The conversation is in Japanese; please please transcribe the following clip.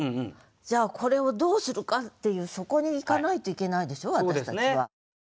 じゃあこれをどうするかっていうそこにいかないといけないでしょ私たちは。